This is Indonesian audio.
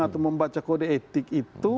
atau membaca kode etik itu